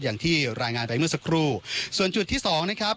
อย่างที่รายงานไปเมื่อสักครู่ส่วนจุดที่สองนะครับ